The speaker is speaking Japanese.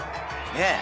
ねえ。